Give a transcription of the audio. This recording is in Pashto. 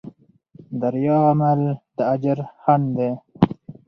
د ریا عمل د اجر خنډ دی.